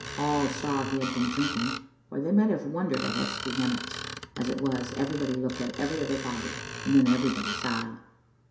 All saw he had been drinking, or they might have wondered at his vehe mence. As it was, everybody looked at every other body, and then everybody sighed.